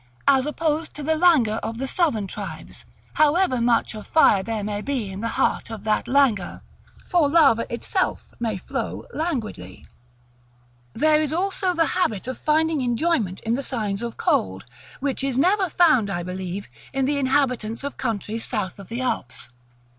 as opposed to the languor of the Southern tribes, however much of fire there may be in the heart of that languor, for lava itself may flow languidly. There is also the habit of finding enjoyment in the signs of cold, which is never found, I believe, in the inhabitants of countries south of the Alps.